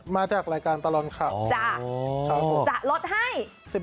มาจากรายการตลอดข่าวจ้ะจะลดให้